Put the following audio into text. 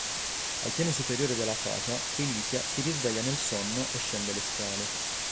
Al piano superiore della casa, Felicia si risveglia dal sonno e scende le scale.